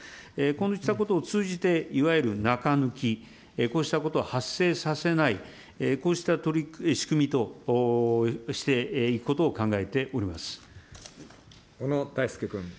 こうしたことを通じて、いわゆる中抜き、こうしたことを発生させない、こうした仕組みとしていく小野泰輔君。